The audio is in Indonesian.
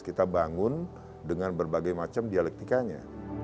kita bangun dengan berbagai macam dialektikanya